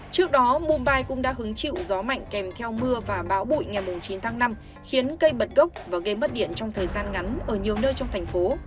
trước đó mumbai cũng đã hứng chịu gió mạnh kèm theo mưa và bão bụi ngày chín tháng năm khiến cây bật gốc và gây mất điện trong thời gian ngắn ở nhiều nơi trong thành phố